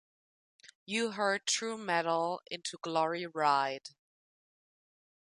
You heard true metal into glory ride".